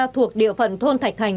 thuộc địa phần thôn thạch thành